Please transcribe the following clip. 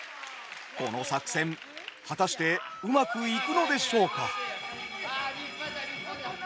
この作戦果たしてうまくいくのでしょうか。